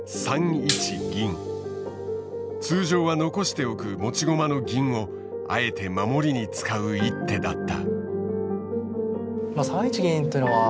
通常は残しておく持ち駒の銀をあえて守りに使う一手だった。